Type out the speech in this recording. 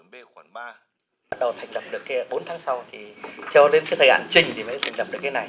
bắt đầu thành lập được cái bốn tháng sau thì cho đến cái thời gian trình thì mới thành lập được cái này